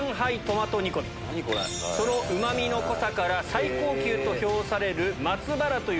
そのうま味の濃さから最高級と評される。